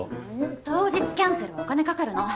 当日キャンセルはお金かかるの。